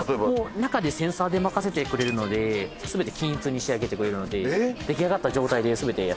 中でセンサーで任せてくれるので全て均一に仕上げてくれるので出来上がった状態で全てやってくれますね。